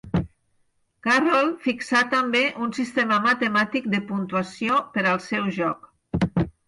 Carroll fixà també un sistema matemàtic de puntuació per al seu joc.